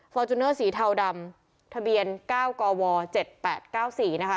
จูเนอร์สีเทาดำทะเบียน๙กว๗๘๙๔นะคะ